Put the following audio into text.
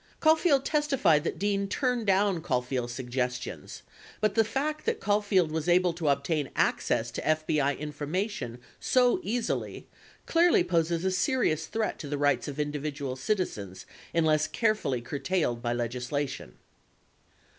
Caulfield testified that Dean turned down Caulfield's suggestions, but the fact that Caulfield was able to obtain access to FBI information so easily clearly poses a serious threat to the rights of individual citizens unless carefully curtailed by legislation.